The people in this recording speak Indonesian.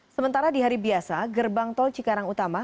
sementara di hari biasa gerbang tol cikarang utama